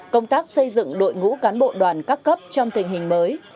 công tác xây dựng đội ngũ cán bộ đoàn các cấp trong tình hình mới